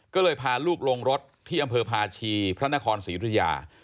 ก็เลยพาลูกลงรถที่อำเภอพาชีพระนครศรียุธยา